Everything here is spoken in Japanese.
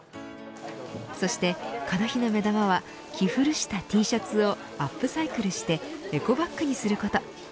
そしてこの日の目玉は着古したＴシャツをアップサイクルしてエコバックにすること。